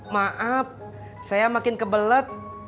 maaf saya makin kebelet